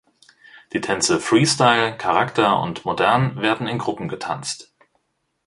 Die Tänze Freestyle, Charakter und Modern werden in Gruppen getanzt.